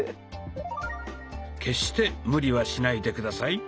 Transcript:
決して無理はしないで下さい。